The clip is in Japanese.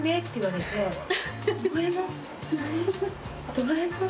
「『ドラえもん』？